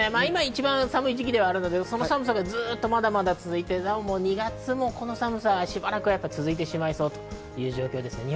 今、一番寒い時期ではあるので、その寒さがずっと続いて２月もこの寒さ、しばらく続いてしまいそうという状況です。